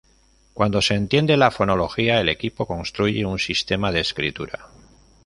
Cuando se entiende la fonología, el equipo construye un sistema de escritura.